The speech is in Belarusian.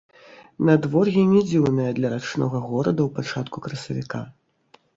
Надвор'е не дзіўнае для рачнога горада ў пачатку красавіка.